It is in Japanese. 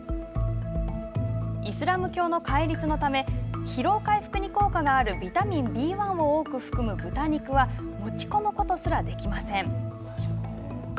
イスラム教の戒律のため疲労回復に効果があるビタミンＢ１を多く含む豚肉は持ち込むことすらできません。